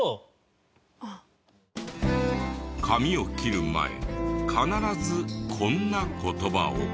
髪を切る前必ずこんな言葉を。